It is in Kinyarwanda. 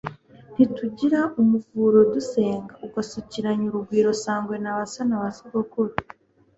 Ntitugira umuvuro dusenga, Ugasukiranya urugwiro. Sangwe, ba so na ba sogokuru,